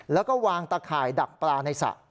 แล้วก็วางตะข่ายดักปลาในสระ